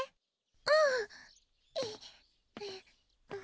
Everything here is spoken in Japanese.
うん。